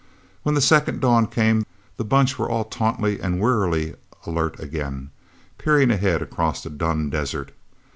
When the second dawn came, the Bunch were all tautly and wearily alert again, peering ahead, across dun desert.